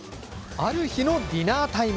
ある日のディナータイム。